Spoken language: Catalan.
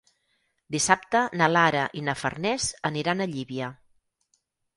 Dissabte na Lara i na Farners aniran a Llívia.